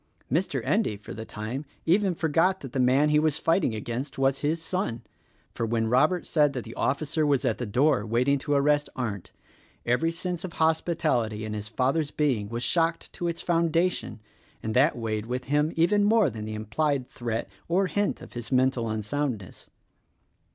Mr. Endy, for the time, even forgot that the man he was fighting against was his son; for when Robert said that the officer was at the door waiting to arrest Arndt, every sense of hospitality in his father's being was shocked to its foundation, and that weighed with him even more than the implied threat or hint of his mental unsoundness.